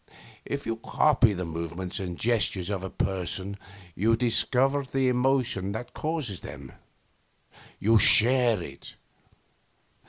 If you copy the movements and gestures of a person you discover the emotion that causes them. You share it.